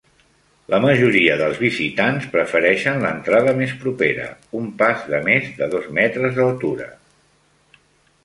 La majoria dels visitants prefereixen l'entrada més propera, un pas de més de dos metres d'altura.